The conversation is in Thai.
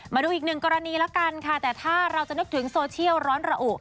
มาดูอีกหนึ่งกรณีแล้วกันค่ะแต่ถ้าเราจะนึกถึงโซเชียลร้อนระอุ